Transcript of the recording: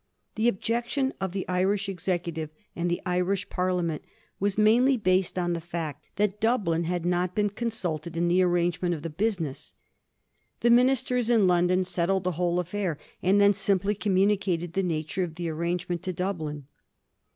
The objection of the Irish Executive and the Irish Parliament, was mainly based on the fact that Dublin had not been consulted in the arrangement of the business. The ministers in London settled the whole affair, and then simply communicated the nature of the arrangement to Dublin.